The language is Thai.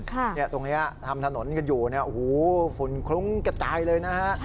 ตรงนี้ทำถนนกันอยู่ฝุ่นคลุ้งกระต่ายเลยนะฮะ